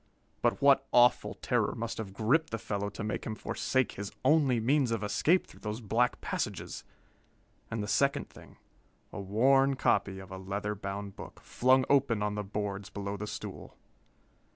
But what awful terror must have gripped the fellow to make him forsake his only means of escape through those black passages? And the second thing a worn copy of a leather bound book, flung open on the boards below the stool!